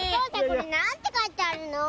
これ何て書いてあるの？